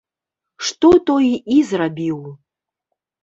Што той і зрабіў.